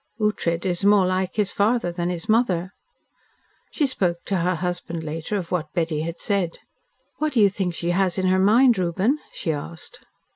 Ughtred is more like his father than his mother." She spoke to her husband later, of what Betty had said. "What do you think she has in her mind, Reuben?" she asked.